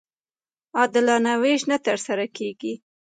عادلانه وېش نه ترسره کېږي.